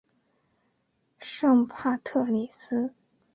圣帕特里斯。